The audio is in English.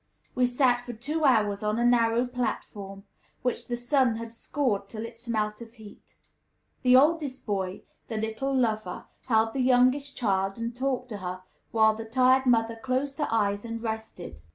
We sat for two hours on a narrow platform, which the sun had scorched till it smelt of heat. The oldest boy the little lover held the youngest child, and talked to her, while the tired mother closed her eyes and rested.